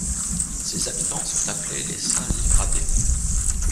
Ses habitants sont appelés les Saint-Livradais.